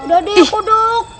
udah deh kodok